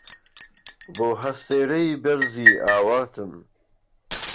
بۆ هەسێرەی بەرزی ئاواتم